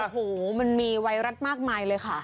โอ้โหมันมีไวรัสมากมายเลยค่ะ